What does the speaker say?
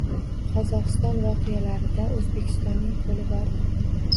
Qozogʻiston voqealarida Oʻzbekistonning qoʻli bormi?